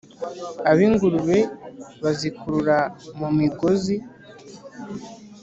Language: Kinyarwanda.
Ab'ingurube bazikurura mu migozi